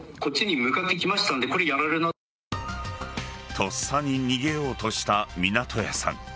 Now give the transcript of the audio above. とっさに逃げようとした湊屋さん。